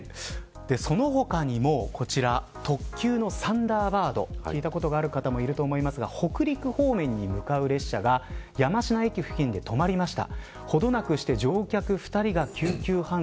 その他にも、こちら特急のサンダーバード聞いたことがある方もいるかもしれませんが北陸方面に向かう列車が山科駅付近で止まりました。